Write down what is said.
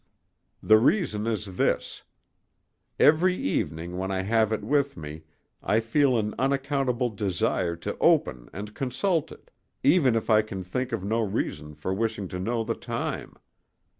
The reason is this: Every evening when I have it with me I feel an unaccountable desire to open and consult it, even if I can think of no reason for wishing to know the time.